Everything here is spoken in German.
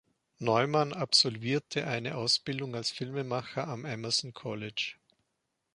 Neumann absolvierte eine Ausbildung als Filmemacher am "Emerson College".